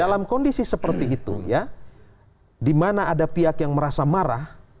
dalam kondisi seperti itu ya di mana ada pihak yang merasa marah